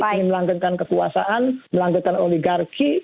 ingin melanggarkan kekuasaan melanggarkan oligarki